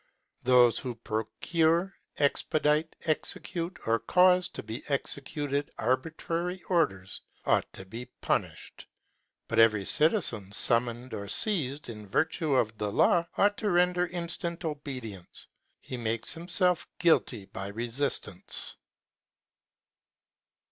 Those who procure, expedite, execute, or cause to be executed arbitrary orders ought to be punished : but every citizen summoned or seized in virtue of the law ought to render instant obedience ; he makes himself guilty by resistance.